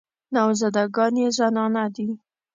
نوازنده ګان یې زنانه دي.